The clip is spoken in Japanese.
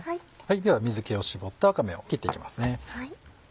では水気を絞ったわかめを切っていきますね。